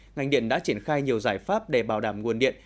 ngành điện đã triển khai nhiều giải pháp để bảo đảm nguồn điện